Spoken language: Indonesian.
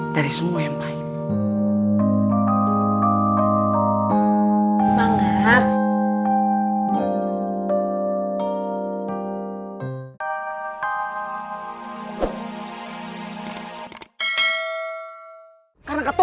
dari semua yang baik